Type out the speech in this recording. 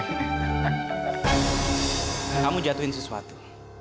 kamu jatuhin sesuatu